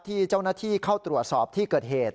ที่เจ้าหน้าที่เข้าตรวจสอบที่เกิดเหตุ